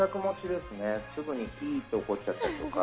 すぐにきーっと怒っちゃたりとか。